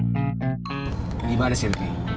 mencari apa tapi aku naklain lo